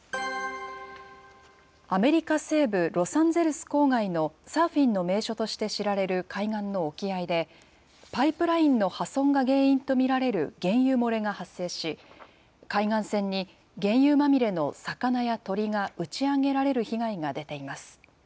アメリカ西部ロサンゼルス郊外のサーフィンの名所として知られる海岸の沖合で、パイプラインの破損が原因と見られる原油漏れが発生し、海岸線に原油まみれの魚や鳥が打ち上げられる被害が出ています。